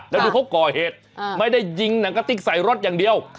แล้วดูเขาก่อเหตุไม่ได้ยิงหนังกะติ๊กใส่รถอย่างเดียว